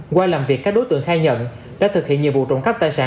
qua làm việc các đối tượng khai nhận đã thực hiện nhiều vụ trộm cắp tài sản